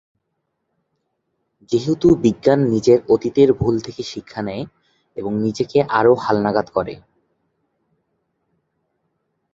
যেহেতু বিজ্ঞান অতীতের ভুল থেকে শিক্ষা নেয়, এবং নিজেকে আরো হালনাগাদ করে।